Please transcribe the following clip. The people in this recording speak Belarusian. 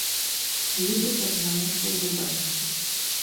Люба пазнала свайго бацьку.